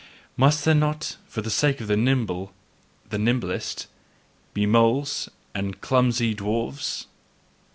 Must there not, for the sake of the nimble, the nimblest, be moles and clumsy dwarfs?